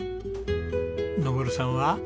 昇さんは？